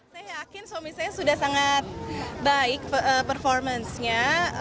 saya yakin suami saya sudah sangat baik performance nya